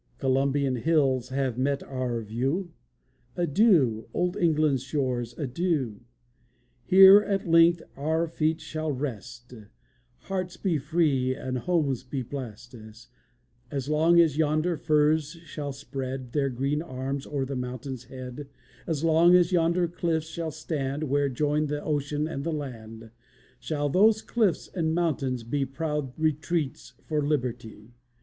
Columbian hills have met our view! Adieu! Old England's shores, adieu! Here, at length, our feet shall rest, Hearts be free, and homes be blessed. As long as yonder firs shall spread Their green arms o'er the mountain's head, As long as yonder cliffs shall stand, Where join the ocean and the land, Shall those cliffs and mountains be Proud retreats for liberty.